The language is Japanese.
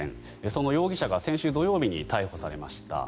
その容疑者が先週土曜日に逮捕されました。